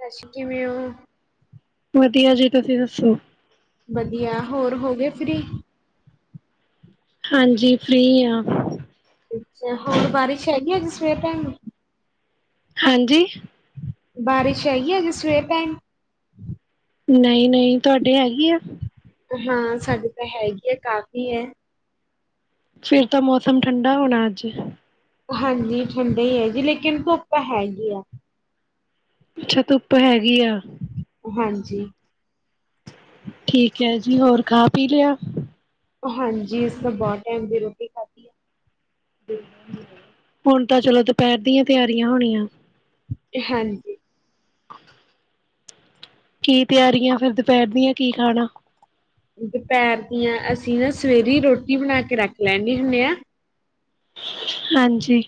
ਹਾਂਜੀ ਕਿਵੇਂ ਔ? ਵਧੀਆ ਜੀ, ਤੁਸੀਂ ਦੱਸੋ? ਵਧੀਆ, ਹੋਰ ਹੋ ਗਏ ਫਰੀ? ਹਾਂਜੀ ਫ੍ਰਰੀ ਆ। ਅੱਛਾ ਹੋਰ ਬਾਰਿਸ਼ ਹੈਗੀ ਅੱਜ ਸਵੇਰ ਟਾਇਮ, ਹਾਂਜੀ, ਬਾਰਿਸ਼ ਹੈਗੀ ਏ ਅੱਜ ਸਵੇਰ ਟੈਮ? ਨਹੀਂ-ਨਹੀਂ, ਤੁਹਾਡੇ ਹੈਗੀ ਐ? ਹਾਂ ਸਾਡੀੇ ਤਾਂ ਹੈਗੀ ਹੈ ਕਾਫੀ ਹੈ। ਫੇਰ ਤਾਂ ਮੌਸਮ ਠੰਡਾ ਹੋਣਾ ਅੱਜ, ਹਾਂਜੀ ਠੰਡੇ ਹੀ ਹੈ ਜੀ ਲੇਕਿਨ ਧੁੱਪਾ ਹੈਗੀ ਆ। ਅੱਛਾ ਧੁੱਪ ਹੈਗੀ ਆ। ਹਾਂਜੀ। ਠੀਕ ਜੀ ਹੋਰ ਖਾ ਪੀ ਲਿਆ। ਹਾਂਜੀ ਅਸੀਂ ਤਾਂ ਬਹੁਤ ਟਾਈਮ ਦੀ ਰੋਟੀ ਖਾਧੀ ਏ? ਹੁਣ ਤਾਂ ਚਲੋ ਦੁਪਹਿਰ ਦੀਆਂ ਤਿਆਰੀਆਂ ਹੋਣੀਆਂ। ਹਾਂਜੀ। ਕੀ ਤਿਆਰੀਆਂ ਫਿਰ ਦੁਪਹਿਰ ਦੀਆਂ ਕੀ ਖਾਣਾ? ਦੁਪਹਿਰ ਦੀਆਂ ਅਸੀਂ ਨਾ ਸਵੇਰੇ ਰੋਟੀ ਬਣਾ ਕੇ ਰੱਖ ਲੈਂਦੇ ਹੁੰਦੇ ਹਾਂ। ਹਾਂਜੀ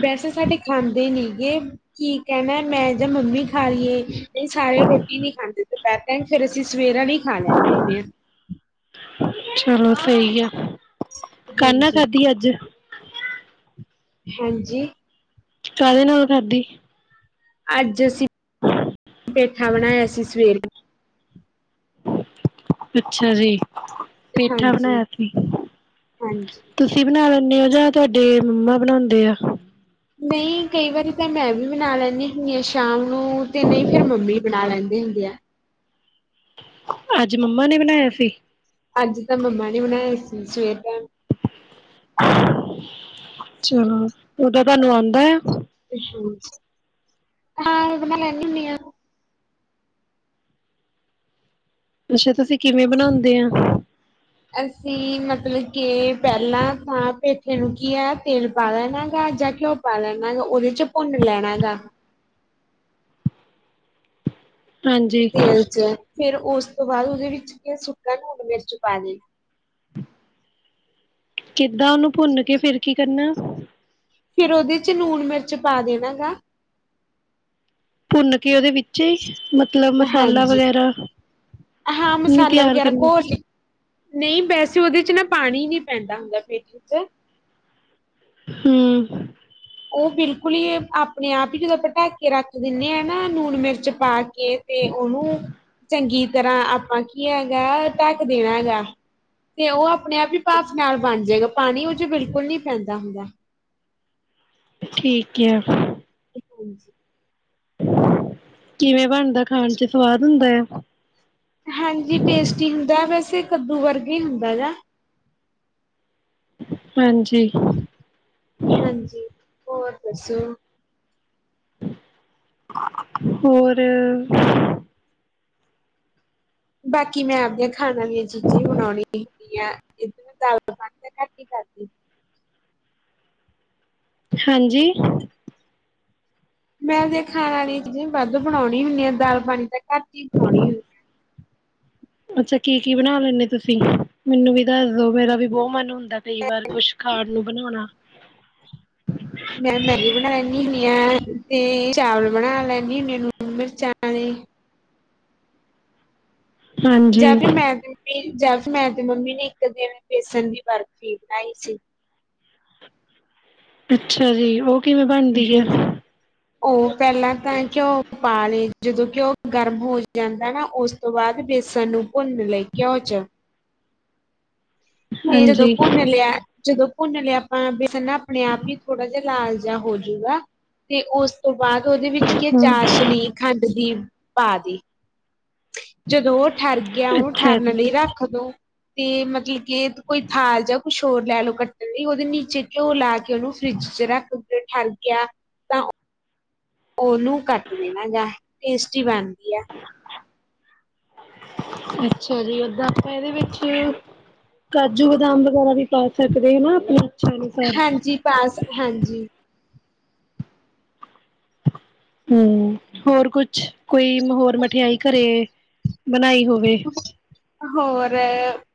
ਬੇਸੇ ਸਾਡੇ ਖਾ ਦੇ ਨੀ ਗੇ ਕੀ ਕਹਿਣਾ ਮੈਂ ਜਾਂ ਮੰਮੀ ਖਾ ਲਈਏ ਤੇ ਸਾਰੇ ਰੋਟੀ ਨੀ ਖਾਂਦੇ ਦੁਪਹਿਰ ਟਾਈਮ ਫੇਰ ਅਸੀਂ ਸਵੇਰ ਆਲੀ ਖਾ ਲੈਂਦੇ ਹੁੰਦੇ ਹਾਂ ਚਲੋ ਸਹੀ ਆ, ਕਾਹਨਾ ਹਾਂਜੀ-ਹਾਂਜੀ, ਖਾਦੀ ਅੱਜ। ਹਾਂਜੀ। ਕਾਹਦੇ ਨਾਲ ਖਾਧੀ? ਅੱਜ ਅਸੀਂ ਪੇਠਾ ਬਣਾਇਆ ਸੀ ਸਵੇਰੇ। ਅੱਛਾ ਜੀ। ਪੇਠਾ ਹਾਂਜੀ-ਹਾਂਜੀ। ਬਣਾਇਆ ਸੀ ਤੁਸੀਂ ਬਣਾ ਲ ਜਾਂ ਤੁਹਾਡੇ ਮੰਮਾ ਬਣਾਦੇ ਆ। ਨਹੀਂ ਕਈ ਵਾਰੀ ਤਾਂ ਮੈਂ ਵੀ ਬਨਾ ਲੈਂਦੀ ਹੁੰਦੀ ਹਾਂ, ਸ਼ਾਮ ਤੇ ਨਹੀਂ ਫੇਰ ਮੰਮੀ ਬਣਾ ਲੈਂਦੇ ਹੁੰਦੇ ਆ। ਅੱਜ ਮੰਮਾ ਨੇ ਬਣਾਇਆ ਸੀ। ਅੱਜ ਤਾਂ ਮੰਮਾ ਨੇ ਬਣਾਏ ਸੀ ਸਵੇ [unintelligible] ਚਲੋ, ਉਹ ਤਾਂ ਤੁਹਾਨੂੰ ਆਉਂਦਾ ਆ। ਹੈ ਭਾਣਾ ਲੈਂਦੀ ਹੁੰਦੀ ਆ। [unintelligible] ਅੱਛਾ ਤੁਸੀਂ ਕਿਵੇਂ ਬਣਾਉਂਦੇ ਆ? ਅਸੀਂ ਮਤਲਬ ਕੇ ਪਹਿਲਾਂ ਤਾਂ ਪੇਠੇ ਨੂੰ ਕੀ ਹੈ ਤੇਲ ਪਾ ਲੈਣਾ ਗਾ ਜਾਂ ਘਿਓ ਪਾ ਲੈਣਾ ਗਾ ਉਹਦੇ ਚ ਭੁੰਨ ਲੈਣਾ ਗਾ। ਹਾਂਜੀ ਤੇਲ ਚ ਫਿਰ ਉਸ ਤੋਂ ਬਾਅਦ ਉਹਦੇ ਵਿੱਚ ਸੁੱਕਾ ਨੁਣ ਮਿਰਚ ਪਾ ਲ [unintelligible] ਕਿੱਦਾਂ ਉਹਨੂੰ ਭੁੰਨ ਕੇ ਫਿਰ ਕੀ ਕਰਨਾ? ਫਿਰ ਉਹਦੇ ਚ ਨੁੰਣ ਮਿਰਚ ਪਾ ਦੇਣਾ ਗਾ। ਭੁੰਨ ਕਿ ਉਹਦੇ ਵਿਚਏ ਹੀ ਮਤਲਬ ਮਸਾਲਾ ਹਾਂਜੀ ਵਗੈਰਾ ਹਾਂ ਨੀ ਮਸਾਲਾ ਤਿਆਰ ਵਗੈਰਾ ਕਰਨਾ ਘੋਲ ਨਹੀਂ ਵੈਸੇ ਉਹਦੇ ਚ ਨਾ ਪਾਣੀ ਨੀ ਪੈਂਦਾ ਹੁੰਦਾ ਪੇਠੇ ਚ ਹੂੰ। ਉਹ ਬਿਲਕੁਲ ਹੀ ਆਪਣੇ ਆਪ ਹੀ ਜਦੋਂ ਆਪਾਂ ਤਕ ਕੇ ਰੱਖ ਦਿੰਦੇ ਹਾਂ ਨਾ ਨੁੰਣ ਮਿਰਚ ਪਾ ਕੇ ਤੇ ਉਹਨੂੰ ਚੰਗੀ ਤਰ੍ਹਾਂ ਆਪਾਂ ਕੀ ਹੈਗਾ ਢੱਕ ਦੇਣਾ ਹੈਗਾ। ਤੇ ਉਹ ਆਪਣੇ ਆਪ ਹੀ ਭਾਫ ਨਾਲ ਬਣ ਜਾਏਗਾ ਪਾਣੀ ਉਹ ਚ ਬਿਲਕੁਲ ਨੀ ਪੈਂਦਾ ਹੁੰਦਾ। ਠੀਕ। [unintelligible] ਹਾਂਜੀ। [inaudible] ਕਿਵੇਂ ਬਣ ਉਦਾ ਖਾਣ ਚ ਸਵਾਦ ਹੁੰਦਾ ਹੈ? [unintelligible] [inaudible] ਤੇ ਕੱਦੂ ਵਰਗੇ ਹੀ ਹੁੰਦਾ ਹੈ। ਹਾਂਜੀ ਹਾਂਜੀ ਹੋਰ ਦੱਸੋ? ਹੋਰ ਬਾਕੀ ਮੈਂ ਆਪਦੀ ਖਾਣਾ ਦੀਆਂ ਚੀਜ਼ਾਂ ਹੀ ਬਣਾਉਣੀ [unintelligible] ਹਾਂਜੀ ਮੈਂ ਤੇ ਖਾਣ ਆਲੀਆਂ ਚੀਜ਼ਾਂ ਵੱਧ ਬਣਾਉਣੀ ਹੁੰਦੀ ਆ ਦਾਲ ਪਾਣੀ ਤਾਂ ਘੱਟ ਹੀ ਬਣਾਉਣੀ ਹੁੰਦੀ ਆ। ਅੱਛਾ ਕੀ, ਕੀ ਬਣਾ ਲੈਂਦੇ ਤੁਸੀਂ, ਮੈਨੂੰ ਵੀ ਦੱਸ ਦੋ ਮੇਰਾ ਵੀ ਬੋਹ ਮਨ ਹੁੰਦਾ ਕਈ ਵਾਰ ਕੁਛ ਖਾਣ ਨੂੰ ਬਣਾਉਣਾ ਮੈਂ ਮੈਗੀ ਬਣਾ ਲੈਂਦੀ ਹੁੰਦੀ ਹਾਂ ਤੇ ਚਾਵਲ ਬਣਾ ਲੈਂਦੀ ਹੂੰਦੀ ਆ ਮਿਰਚਾਂ ਆਲੇ। ਹਾਂਜੀ ਜਾਂ ਫਿਰ ਮੈਂ [unintelligible] ਜਾ ਫੇਰ ਮੈਂ, ਤੇ ਮੰਮੀ ਨੇ ਇੱਕ ਦਿਨ ਬੇਸਣ ਦੀ ਬਰਫ਼ੀ ਬਣਾਈ ਸੀ। ਅੱਛਾ ਜੀ ਉਹ ਕਿਵੇਂ ਬਣਦੀ ਹੈ [unintelligible] ਉਹ ਪਹਿਲਾਂ ਤਾਂ ਘਯੋ ਪਾਲੇ ਜਦੋਂ ਘਿਓ ਗਰਮ ਹੋ ਜਾਂਦਾ ਨਾ ਉਸ ਤੋਂ ਬਾਅਦ ਬੇਸਣ ਨੂੰ ਭੁੰਨਣ ਲਈ ਘਿਓ ਚ। ਇਹ ਜਦੋ ਹਾਂਜੀ ਭੁੰਨ ਲਿਆ। ਜਦੋਂ ਭੁੰਨ ਲਿਆ ਆਪਾਂ ਬੇਸਣ ਨਾ ਆਪਣੇ ਆਪ ਹੀ ਥੋੜਾ ਜਿਹਾ ਲਾਲ ਜਿਹਾ ਹੋਜੂਗਾ ਤੇ ਉਸ ਤੋਂ ਬਾਅਦ ਉਹਦੇ ਵਿੱਚ ਕੀ ਹੂੰ, ਚਾਸ਼ਨੀ ਖੰਡ ਦੀ ਪਾ ਦੀ। ਜਦੋਂ ਉਹ ਠਰ ਗਿਆ ਉਹਨੂੰ ਅੱਛਾ ਠਰਨ ਜੀ। ਲਈ ਰੱਖ ਦੋ। ਤੇ ਮਤਲਬ ਕਿ ਕੋਈ ਥਾਲ ਜਾਂ ਕੁਛ ਹੋਰ ਲੈ ਲਓ ਕੱਟਣ ਲਈ ਉਹਦੇ ਨੀਚੇ ਘਿਓ ਲਾ ਕੇ ਕਿ ਉਹਨੂੰ ਫਰਿੱਜ ਚ ਰੱਖ ਠਰ ਗਿਆ ਤਾਂ ਉਹਨੂੰ ਕੱਟ ਦੇਣਾ ਜਾਂ ਟੇਸਟੀ ਬੇਨ ਦੀ ਅ। ਅੱਛਾ ਜੀ ਔਦਾਂ ਇਹਦੇ ਵਿੱਚ ਕਾਜੂ, ਬਦਾਮ ਵਗੈਰਾ ਵੀ ਪਾ ਸਕਦੇ ਨਾ ਆਪਣਾ ਹਾਂਜੀ, ਪਾ ਸ ਹਾਂਜੀ। ਹੂੰ ਹੋਰ ਕੁਛ? ਕੋਈ ਹੋਰ ਮਠਿਆਈ ਘਰੇ ਬਣਾਈ ਹੋਵੇ। ਹੋਰ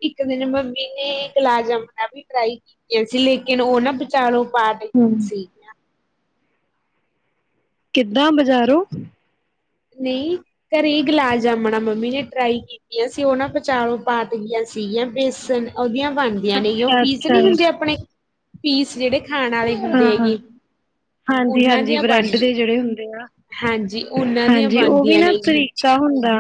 ਇੱਕ ਦਿਨ ਮੰਮੀ ਨੇ ਗੁਲਾਬ ਜਾਮੁਣ ਵੀ ਟਰਾਈ ਕੀਤੀਆਂ ਸੀ ਲੇਕਿਨ ਉਹ ਨਾ ਬੀਚਲੋ ਬਾਅਦ ਹੂੰ। ਸੀ ਕਿੱਦਾਂ ਬਜ਼ਾਰੋਂ ਨਹੀਂ ਘਰੇ ਗੁਲਾਬ ਜਾਮੁਣ ਮੰਮੀ ਨੇ ਟਰਾਈ ਕੀਤੀਆਂ ਸੀ ਉਹ ਨਾ ਵਿਚਾਲਿਓਂ ਪਾਟ ਗਈਆਂ ਸੀਗੀਆਂ ਬੇਸਨ ਉਹਦੀਆਂ ਬਣਦੀਆਂ ਨੇ ਉਹ ਪੀਸ ਅੱਛਾ-ਅੱਛਾ। ਨਹੀਂ ਹੁੰਦੇ ਆਪਣੇ ਪੀਸ ਜੇਹੜੇ ਖਾਣ ਵਾਲ਼ੇ ਹਾਂ, ਹੁੰਦੇ ਉਹਨਾਂ ਹਾਂਜੀ-ਹਾਂਜੀ ਦੀਆਂ ਬਣ ਬ੍ਰੈਡ ਦੇ ਜਿਹੜੇ ਹਾਂਜੀ ਉਹਨਾਂ ਦੀ ਜੀ ਉਹ ਵੀ ਨਾ ਤਰੀਕਾ ਹੁੰਦਾ।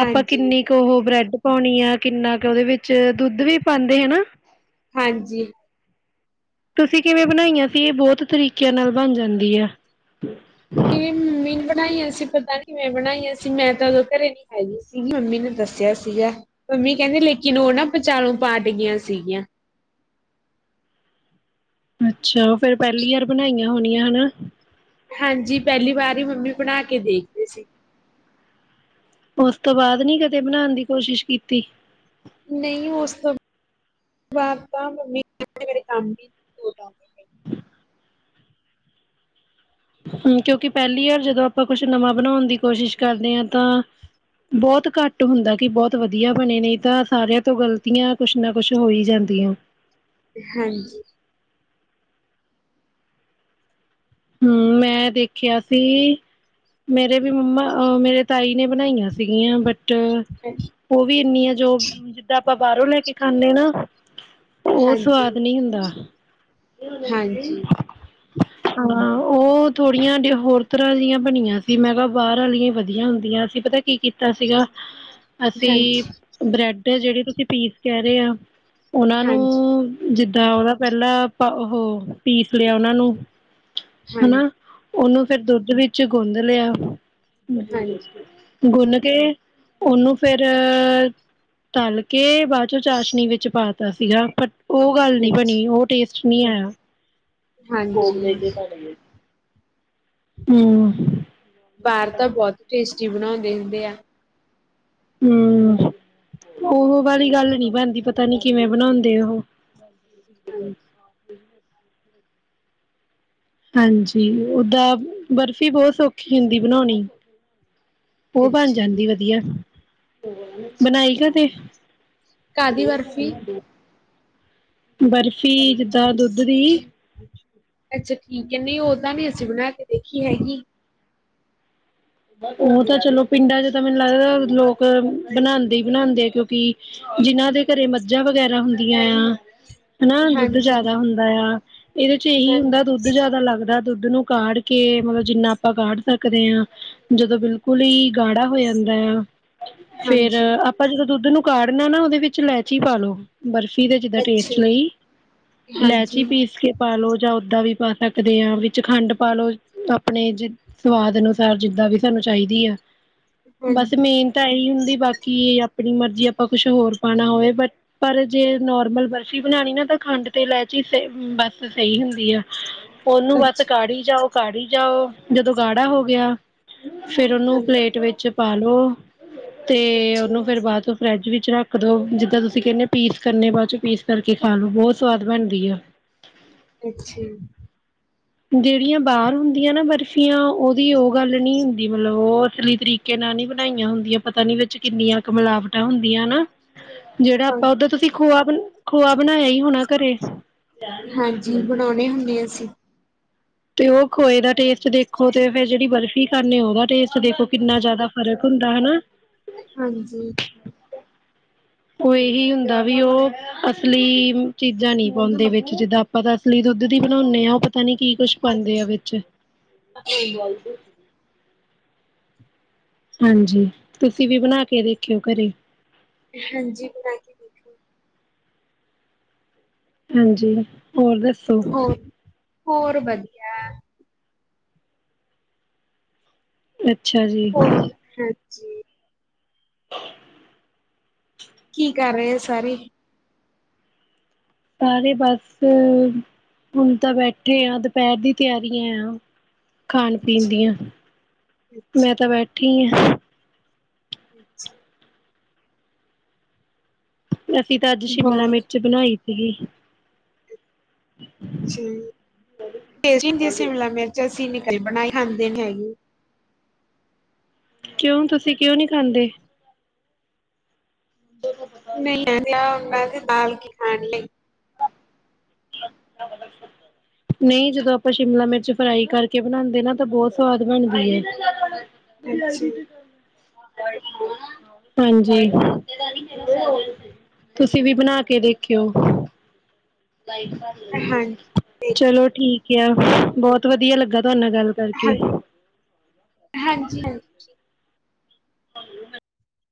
ਆਪਾਂ ਹਾਂਜੀ ਕਿੰਨੀ ਕੁ ਉਹ ਬ੍ਰੈਡ ਪਾਉਣੀ ਆ ਕਿੰਨਾ ਕੁ ਉਹਦੇ ਵਿੱਚ ਦੁੱਧ ਵੀ ਪਾਉਂਦੇ ਹਨਾ ਹਾਂਜੀ। ਤੁਸੀਂ ਕਿਵੇਂ ਬਣਾਈਆਂ ਸੀ ਇਹ ਬਹੁਤ ਤਰੀਕਿਆਂ ਨਾਲ ਬਣ ਜਾਂਦੀ ਹੈ ਏ ਮੰਮੀ ਨੂੰ ਪ ਬਣਾਈਆਂ ਸੀ ਪਤਾ ਕਿਵੇੈਂ ਬਣਾਈਆਂ ਸੀ ਮੈਂ ਤਾਂ ਉਦੋਂ ਘਰੇ ਨੀ ਹੈਗੀ ਸੀਗੀ ਮੰਮੀ ਨੇ ਦੱਸਿਆ ਸੀਗਾ ਮੰਮੀ ਕਹਿੰਦੀ ਲੇਕਿਨ ਉਹ ਨਾ ਬਚਾਲੋ ਪਾਟ ਗਈਆਂ ਸੀਗੀਆਂ ਅੱਛਾ ਉਹ ਫੇਰ ਪਹਿਲੀ ਵਾਰ ਬਣਾਈਆਂ ਹੋਣੀਆਂ ਹਨਾ। ਹਾਂਜੀ ਪਹਿਲੀ ਵਾਰ ਹੀ ਮੰਮੀ ਬਣਾ ਕੇ ਦੇਖਦੇ ਸੀ। ਉਸ ਤੋਂ ਬਾਅਦ ਨੀ ਕਦੇ ਬਣਾਉਣ ਦੀ ਕੋਸ਼ਿਸ਼ ਕੀਤੀ। ਨਹੀਂ ਉਸ ਤੋਂ ਬਾਦ ਤਾਂ ਮੰਮੀ ਮੇਰੇ ਕੰਮ ਵੀ ਦੇਤਾ। ਹੂੰ ਕਿਉਂਕਿ ਪਹਿਲੀ ਵਾਰ ਜਦੋਂ ਆਪਾਂ ਕੁੱਛ ਨਵਾਂ ਬਣਾਉਣ ਦੀ ਕੋਸ਼ਿਸ਼ ਕਰਦੇ ਹਾਂ ਤਾਂ ਬਹੁਤ ਘੱਟ ਹੁੰਦਾ ਕਿ ਬਹੁਤ ਵਧੀਆ ਬਣੇ ਨੇ ਤਾਂ ਸਾਰਿਆਂ ਤੋਂ ਗ਼ਲਤੀਆਂ ਕੁਛ ਨਾ ਕੁਛ ਹੋ ਹੀ ਜਾਂਦੀਆਂ। ਹਾਂਜੀ। ਹੂੰ ਮੈਂ ਦੇਖਿਆ ਸੀ ਮੇਰੇ ਵੀ ਮੰਮਾ ਅਹ ਮੇਰੇ ਤਾਈ ਨੇ ਬਣਾਈਆਂ ਸੀਗੀਆਂ ਬਟ ਟ ਹਾਂਜੀ ਉਹ ਵੀ ਇੰਨੀਆ ਜੋ ਜਿੱਦਾਂ ਆਪਾਂ ਬਾਹਰੋਂ ਲੈ ਕੇ ਖਾਂਨੇ ਨਾ। ਉਹ ਹਾਂਜੀ ਸਵਾਦ ਨੀ ਹੁੰਦਾ। ਹਾਂਜੀ ਹਾਂ ਉਹ ਥੋੜੀਆਂ ਹੋਰ ਤਰ੍ਹਾਂ ਦੀਆਂ ਬਣੀਆਂ ਸੀ, ਮੈਂ ਕਿਹਾ ਬਾਹਰ ਵਾਲੀਆਂ ਵਧੀਆ ਹੁੰਦੀਆਂ ਅ ਸੀਂ ਪਤਾ ਕੀ ਕੀਤਾ ਸੀਗਾ। ਅਸੀਂ ਹਾਂਜੀ ਬ੍ਰੈਡ ਜਿਹੜੇ ਤੁਸੀਂ ਪੀਸ ਕਹਿ ਰਹੇ ਆ। ਉਹਨਾਂ ਹਾਂਜੀ ਨੂੰ ਜਿੱ ਉਹਦਾ ਪਹਿਲਾਂ ਉਹ ਪੀਸ ਲਿਆ ਉਹਨਾ ਨੂੰ ਹਾਂਜੀ, ਹਨਾ ਉਹਨੂੰ ਫੇਰ ਦੁੱਧ ਵਿੱਚ ਗੁੰਦ ਲਿਆ। ਹਾਂਜੀ [unintelligible] ਗੁੰਨ ਕੇ ਉਹਨੂੰ ਫੇਰ ਤਲ ਕੇ ਬਾਅਦ ਚੋਂ ਚਾਸ਼ਨੀ ਵਿੱਚ ਪਾ ਦਿਤਾ ਸੀਗਾ ਪਰ ਉਹ ਗੱਲ ਨੀ ਅੱਛਾ ਬਣੀ, ਉਹ ਟੇਸਟ ਨੀ ਆਇਆ। ਹਾਂਜੀ ਹੂੰ ਬਾਹਰ ਤਾ ਬਹੁਤ ਟੇਸਟ ਟੀ ਬਣਾਉਂਦੇ ਹੁੰਦੇ ਆ। ਹੂੰ ਉਹ ਵਾਲੀ ਗੱਲ ਈ ਨੀ ਬਣਦੀ, ਪਤਾ ਨੀ ਕਿਵੇਂ ਬਨਾਉਂਦੇ ਉਹ। ਹਾਂਜੀ। ਹਾਂਜੀ ਓਦਾਂ ਬਰਫ਼ੀ ਬਹੁਤ ਸੌਖੀ ਹੁੰਦੀ ਬਨਾਉਣੀ। ਉਹ ਬਣ ਅੱਛਾ ਜਾਂਦੀ ਜੀ। ਵਧੀਆ। ਬਨਾਈ ਕਦੀ। ਕਾਹਦੀ ਰੋਜ ਕਿਵੇ ਬਰਫ਼ੀ ਬਣਾਉਂਦੇ ਆ। ਬਰ ਫੀ ਜਿੱਦਾਂ ਦੁੱਧ ਦੀ ਅੱਛਾ ਠੀਕ ਏ, ਨਹੀਂ ਓਹ ਤਾਂ ਨੀ ਅਸੀ ਬਣਾ ਕੇ ਦੇਖੀ ਹੈਗੀ। ਉਹ ਤਾਂ ਚਲੋ ਪਿੰਡਾਂ ਚ ਤਾਂ ਮੈਨੂੰ ਲੱਗਦਾ ਏ ਲੋਕ ਬਨਾਉਦੇ ਹੀ ਬਨਾਉਦੇ ਆ ਕਿਉਂਕਿ ਜਿਹਨਾਂ ਦੇ ਘਰੇ ਮੱਝਾਂ ਵਗੈਰਾ ਹੁੰਦੀਆਂ ਯਾਂ। ਹਨਾ ਦੁੱਧ ਹਾਂਜੀ, ਜਿਆਦਾ ਹੁੰਦਾ ਆ। ਇਹਦੇ ਚ ਇਹੀ ਹੁੰਦਾ, ਹਾਂਜੀ, ਦੁੱਧ ਜਿਆਦਾ ਲੱਗਦਾ। ਦੁੱਧ ਨੂੰ ਕਾੜ ਕੇ ਕੇ ਮਤਲਬ ਜਿੰਹਨਾ ਆਪਾਂ ਕਾੜ ਸਕਦੇ ਹਾਂ ਜਦੋ ਬਿਲਕੁਲ ਈ ਗਾੜਾ ਹੋ ਜਾਂਦਾ ਆ। ਫੇਰ ਹਾਂਜੀ, ਆਪਾਂ ਜਦੋ ਦੁੱਧ ਨੂੰ ਕਾਡ ਨੇਂ ਨਾ ਉਹਦੇ ਵਿੱਚ ਇਲਾਯਚੀ ਪਾ ਲਓ, ਬਰਫ਼ ਫੀ ਦਾ ਜਿੱਹਦਾ ਅੱਛਾ ਟੇਸਟ ਜੀ। ਲਈ ਹਾਂਜੀ, ਇਲਾਇਚੀ ਪੀਸ ਕੇ ਪਾ ਲਓ ਜਾ ਉਹਦਾ ਵੀ ਪਾ ਸਕਦੇ ਆਂ, ਵਿੱਚ ਖੰਡ ਪਾ ਲਓ ਆਪਨੇ ਜਿਹੜੇ ਸਵਾਦ ਅਨੁਸਾਰ, ਜਿੱਹਦਾਂ ਵੀ। ਸਾਹਨੂੰ ਚਾਹੀਦੀ ਹੈ। ਬਸ ਹਾਂਜੀ, ਮੇਨ ਤਾ ਇਹੀ ਹੁੰਦੀ, ਬਾਕੀ ਆਪਨੀ ਮਰਜੀ ਆਪਾਂ ਕੁਛ ਹੋਰ ਪਾਉਣਾ ਹੋਵੇ ਬਟ ਪਰ ਜੇ ਨੋਰਮਲ ਬਰਫ਼ੀ ਬਣਾਉਣੀ ਨਾ ਤਾਂ ਖੰਡ ਤੇ ਇਲਾਯਚੀ ਸਹੀ ਬਸ ਸਹੀ ਹੁੰਦੀ ਐ। ਉਹਨੂੰ ਬਸ ਅੱਛਾ। ਕਾੜੀ ਜਾਓ। ਕਾੜੀ ਜਾਓ, ਜਦੋ ਗਾੜਾ ਹੋ ਗਿਆ। ਫੇਰ ਉਹਨੂੰ ਹਾਂਜੀ, ਪਲੇਟ ਵਿੱਚ ਪਾ ਲਓ। ਤੇ ਅੱਛਾ, ਉਹਨੂੰ ਫੇਰ ਬਾਅਦ ਚੋ ਫਰਿੱਜ ਵਿੱਚ ਰੱਖ ਦੋ ਜਿੱਦਾਂ ਤੁਸੀਂ ਕਹਿੰਦੇ ਪੀਸ ਕਰਨੇ ਬਾਅਦ ਚੋਂ ਪੀਸ ਕਰਕੇ ਖਾ ਲੋ ਬਹੁਤ ਸਵਾਦ ਬਣਦੀ ਆ ਅੱਛਾ। ਜਿਹੜੀਆਂ ਬਾਹਰ ਹੁੰਦੀਆਂ ਨਾ ਬਰਫ਼ੀਆਂ ਉਹਦੀ ਉਹ ਗੱਲ ਨਹੀਂ ਹੁੰਦੀ ਮਤਲਬ ਉਹ ਅਸਲੀ ਤਰੀਕੇ ਨਾਲ ਨਹੀਂ ਬਣਾਈਆਂ ਹੁੰਦੀਆਂ ਪਤਾ ਨੀ ਵਿੱਚ ਕਿੰਨੀਆਂ ਕ ਮਿਲਾਵਟਾਂ ਹੁੰਦੀਆਂ ਨਾ, ਜਿਹੜਾ ਹਾਂ ਆਪਾਂ ਓਧਰ ਤੁਸੀਂ ਖੋਆ ਆਪ ਖੋਆ ਬਣਾਇਆ ਹੀ ਹੋਣਾ ਘਰੇ ਹਾਂਜੀ ਬਣਾਉਣੇ ਹੁੰਦੇ ਆ ਅਸੀ ਤੇ ਉਹ ਖੋਏ ਦਾ ਟੇਸਟ ਦੇਖੋ ਤੇ ਫੇਰ ਜਿਹੜੀ ਬਰਫ਼ੀ ਖਾਂਦੇ ਉਹਦਾ ਟੇਸਟ ਦੇਖੋ ਕਿੰਨਾ ਜ਼ਿਆਦਾ ਫ਼ਰਕ ਹੁੰਦਾ ਹਨਾ ਹਾਂਜੀ। ਉਹ ਇਹੀ ਹੁੰਦਾ ਵੀ ਉਹ ਅਸਲੀ ਚੀਜ਼ਾਂ ਨਹੀਂ ਪਾਉਂਦੇ ਵਿੱਚ ਜਿੱਦਾਂ ਆਪਾਂ ਤਾਂ ਅਸਲੀ ਦੁੱਧ ਦੀ ਬਣਾਉਦੇ ਆਾਂ ਉਹ ਪਤਾ ਨੀ ਕੀ ਕੁੱਛ ਪਾਉਂਦੇ ਆ ਹਾਂਜੀ, ਵਿੱਚ ਹਾਂ ਹਾਂਜੀ ਤੁਸੀਂ ਵੀ ਬਣਾ ਕੇ ਦੇਖਿਓ ਘਰੇ ਹਾਂਜੀ ਬਣਾ ਕੇ ਦੇਖਨੇ ਅ ਹਾਂਜੀ। ਹੋਰ ਦੱਸੋ? ਹੋਰ ਹੋਰ ਵਧੀਆ ਅੱਛਾ ਅੱਛਾ ਜੀ ਹੋਰ ਹਾਂਜੀ ਕੀ ਕਰ ਰਹੇ ਸਾਰੇ ਸਾਰੇ ਬਸ ਹੁਣ ਤਾਂ ਬੈਠੇ ਆ ਦੁਪਹਿਰ ਦੀ ਤਿਆਰੀਆਂ ਆ ਖਾਣ ਪੀਣ ਦੀਆਂ ਮੈਂ ਅੱਛਾ-ਅੱਛਾ, ਤਾਂ ਬੈਠੀ ਹਾਂ ਅੱਛਾ ਅਸੀਂ ਤਾਂ ਅੱਜ ਸ਼ਿਮਲਾ ਹੋਰ ਮਿਰਚ ਬਣਾਈ ਸੀਗੀ ਅੱਛਾ ਟੇ ਹੁੰਦੀ ਸ਼ਿਮਲਾ ਮਿਰਚ ਸੀਨੀ ਬਣਾਏ ਖਾਂਦੇ ਨੀ ਹੈਗੇ ਕਿਉਂ ਤੁਸੀਂ ਕਿਉਂ ਨਹੀਂ ਖਾਂਦੇ ਨਹੀਂ ਮੈਂ ਬਾਲ ਕੇ ਖਾਣ ਲਈ ਨਹੀਂ ਜਦੋਂ ਆਪਾਂ ਸ਼ਿਮਲਾ ਮਿਰਚ ਫਰਾਈ ਕਰਕੇ ਬਣਾਉਦੇ ਨਾ ਤਾਂ ਬਹੁਤ ਸਵਾਦ ਬਣਦੀ ਹੈ ਕੁੜੀ ਅੱਛਾ, ਆਈਦੀ ਹਾਂਜੀ ਤੁਸੀਂ ਵੀ ਬਣਾ ਕੇ ਦੇਖਿਓ ਹਾਂਜੀ, ਦੇਖ ਚਲੋ ਠੀਕ ਬਹੁਤ ਵਧੀਆ ਲੱਗਾ ਤੁਹਾਡੇ ਨਾਲ ਗੱਲ ਕਰਕੇ ਹਾਂਜੀ, ਠੀ ਹਾਂ